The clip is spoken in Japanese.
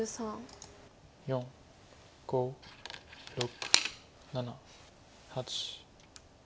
４５６７８。